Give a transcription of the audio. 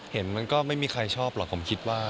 เห็นมันก็ไม่มีใครชอบหรอกผมคิดว่า